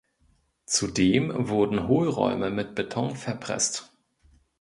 Zudem wurden Hohlräume mit Beton verpresst.